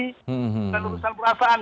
bukan soal perasaan